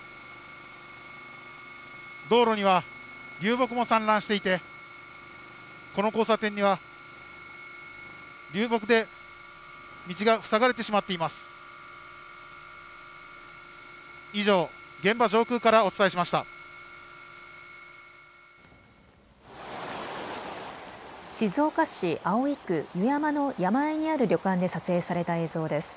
道路には流木も散乱していてこの交差点は流木で道が塞がれてしまっています。